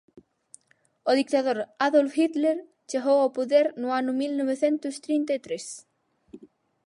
O dictador Adolf Hitler chegou ao poder no ano mil novecentos trinta e tres.